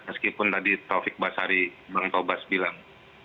meskipun tadi taufik basari bang tobas bilang